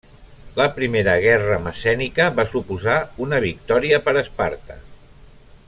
La primera guerra messènica va suposar una victòria per Esparta.